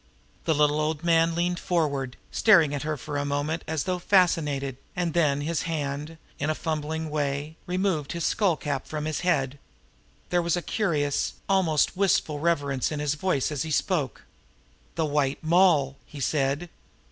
The little old man leaned forward, staring at her for a moment as though fascinated; and then his hand, in a fumbling way, removed the skull cap from his bead. There was a curious, almost wistful reverence in his voice as he spoke. "The White Moll!" he said.